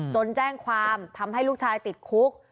แจ้งความทำให้ลูกชายติดคุก